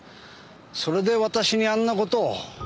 それで私にあんな事を。